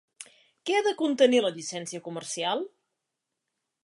Què ha de contenir la Llicència Comercial?